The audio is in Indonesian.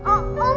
oma kenapa bik